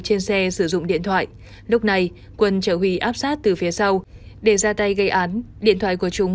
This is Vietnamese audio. trên điện thoại lúc này quân chở huy áp sát từ phía sau để ra tay gây án điện thoại của chúng